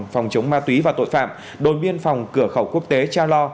phòng chống ma túy và tội phạm đồn biên phòng cửa khẩu quốc tế cha lo